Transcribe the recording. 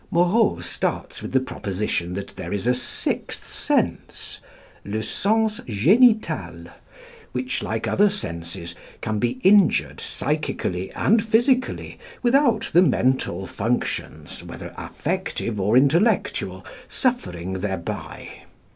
Moreau starts with the proposition that there is a sixth sense, "le sens génital," which, like other senses, can be injured psychically and physically without the mental functions, whether affective or intellectual, suffering thereby.